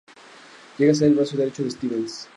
Llega a ser el brazo derecho de Stevens.